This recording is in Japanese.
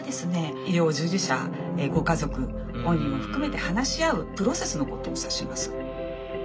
医療従事者ご家族本人も含めて話し合うプロセスのことを指します」。